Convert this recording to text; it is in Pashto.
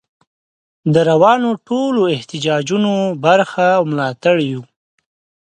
د روانو ټولو احتجاجونو برخه او ملاتړ یو.